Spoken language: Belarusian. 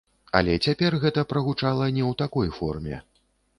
Але цяпер гэта прагучала не ў такой форме.